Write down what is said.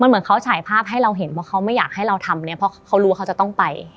เหมือนเขาฉายภาพให้เราเห็นเพราะเขาไม่อยากให้เราทำเนี่ยเพราะเขารู้ว่าเขาจะต้องไป